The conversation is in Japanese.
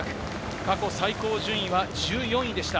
過去最高順位は１４位でした。